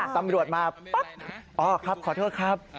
ตำรวจมาปั๊บอ๋อครับขอโทษครับ